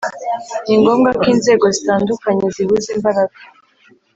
ningombwa ko inzego zitandukanye zihuza imbaraga